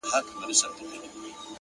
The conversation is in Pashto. هره ناکامي د بلې هڅې پیل وي.